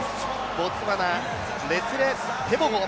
ボツワナ、レツィレ・テボゴ。